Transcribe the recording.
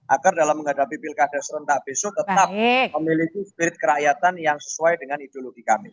agar dalam menghadapi pilkada serentak besok tetap memiliki spirit kerakyatan yang sesuai dengan ideologi kami